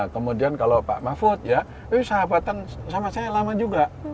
kemudian kalau pak mahfud ya sahabatan sama saya lama juga